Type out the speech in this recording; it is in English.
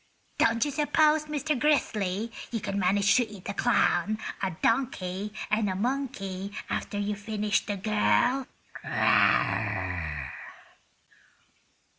Don't you suppose Mr. Grizzly, you could manage to eat a clown, a donkey and a monkey after you finish the girl?"